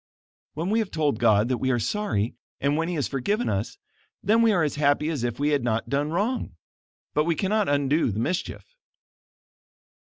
"When we have told God that we are sorry, and when he has forgiven us, then we are as happy as if we had not done wrong; but we cannot undo the mischief."